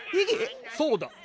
そうだ。